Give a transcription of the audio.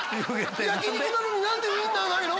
焼き肉なのに何でウインナーないの？」